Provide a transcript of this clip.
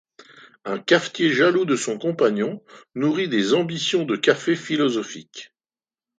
Un cafetier jaloux de son compagnon nourrit des ambitions de café philosophique.